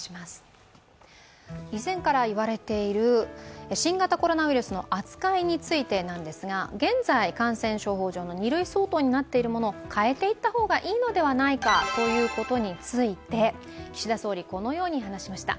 以前から言われている新型コロナウイルスの扱いについてですが現在、感染症法上の２類相当になっているものを変えていった方がいいのではないかということについて、岸田総理、このように話しました。